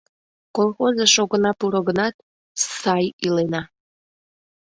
Колхозыш огына пуро гынат, с-сай илена...